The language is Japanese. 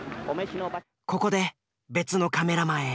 ここで別のカメラマンへ。